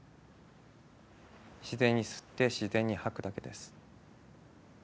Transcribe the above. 自然に吸って自然に吐くだけです。